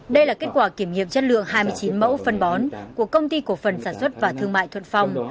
đây là kết quả kiểm nghiệm chất lượng hai mươi chín mẫu phân bón của công ty cổ phần sản xuất và thương mại thuận phong